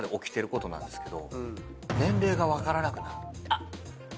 あっ！